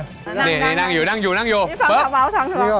นี่นั่งอยู่นี่ฟังเฉาบาวทางที่ไหน